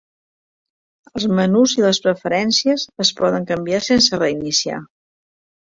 Els menús i les preferències es poden canviar sense reiniciar.